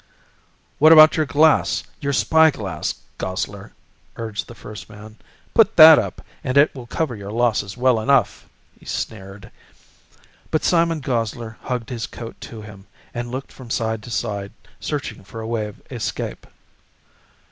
"What about your glass, your spyglass, Gosler?" urged the first man. "Put that up and it will cover your losses well enough!" he sneered, but Simon Gosler hugged his coat to him and looked from side to side searching for a way of escape.